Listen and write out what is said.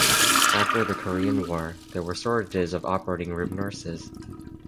After the Korean War there were shortages of operating room nurses.